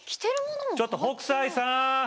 ちょっと北斎さん！